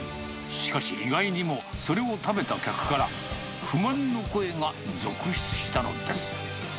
しかし、意外にもそれを食べた客から、不満の声が続出したのです。